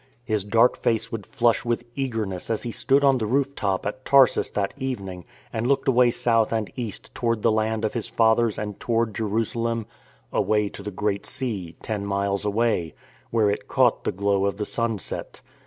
His dark face would flush with eagerness as he stood on the roof top at Tarsus that evening and looked away south and east toward the land of his fathers and toward Jerusalem — away to the Great Sea, ten miles away, where it caught the glow of the sunset.